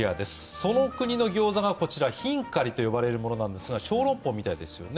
その国のギョウザがこちら、ヒンカリと呼ばれるものなんですがショーロンポーみたいですよね。